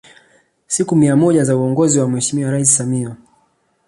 Siku mia moja za uongozi wa Mheshimiwa Rais Samia